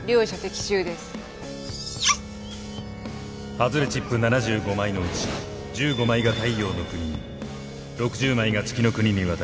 外れチップ７５枚のうち１５枚が太陽ノ国に６０枚が月ノ国に渡ります。